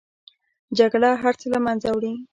جګړه هر څه له منځه وړي